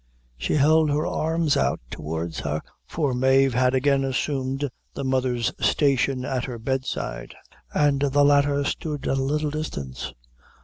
She held her arms out towards her, for Mave had again assumed the mother's station at her bedside, and the latter stood at a little distance.